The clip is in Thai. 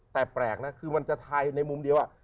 แต่แปลกนะคือมันจะทายในมุมเดียว